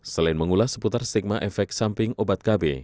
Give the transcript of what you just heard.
selain mengulas seputar stigma efek samping obat kb